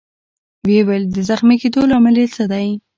ويې ویل: د زخمي کېدو لامل يې څه دی؟